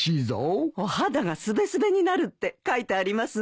お肌がすべすべになるって書いてありますね。